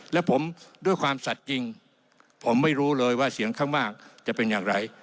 และผมด้วยความสัดจริงผมไม่รู้เลยว่าเสียงข้างมากจะเป็นอย่างไร